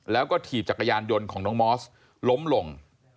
แล้วก็ถีบจักรยานยนต์ของน้องมอสล้มลง